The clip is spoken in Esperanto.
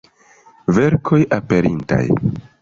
Verkoj aperintaj.